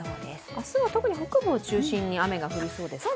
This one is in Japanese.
明日は特に北部を中心に雨が降りそうですか？